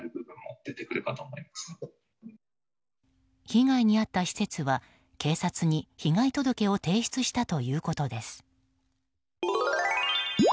被害に遭った施設は警察に被害届を提出したということです。